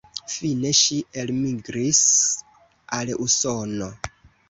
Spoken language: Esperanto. Fine ŝi elmigris al Usono.